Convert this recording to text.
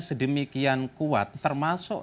sedemikian kuat termasuk